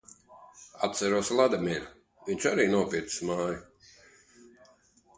Atceros Vladimiru, viņš arī nopircis māju.